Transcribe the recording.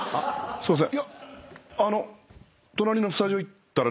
すいません。